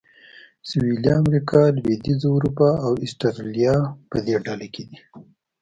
سویلي امریکا، لوېدیځه اروپا او اسټرالیا په دې ډله کې دي.